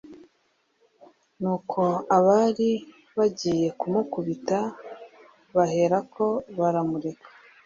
Nuko abari bagiye kumukubita baherako baramureka;